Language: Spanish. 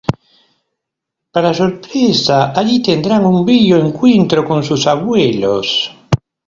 Para su sorpresa, allí tendrán un bello encuentro con sus abuelos.